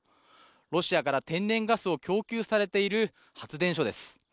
ロシアから天然ガスを供給されている発電所です。